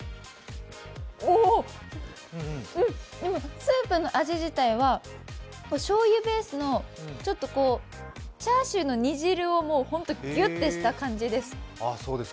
おおっ、スープの味自体はしょうゆベースのちょっとチャーシューの煮汁をギュッてした感じです。